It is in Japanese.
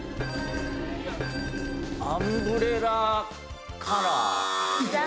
アンブレラカラー。